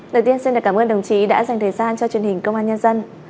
đầu tiên xin cảm ơn đồng chí đã dành thời gian cho truyền hình công an nhân dân